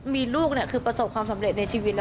มีลูกคือประสบความสำเร็จในชีวิตแล้ว